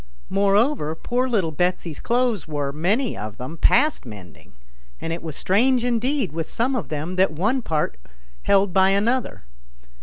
Moreover, poor little Betsy's clothes were, many of them, past mending, and it was strange indeed with some of them that one part held by another.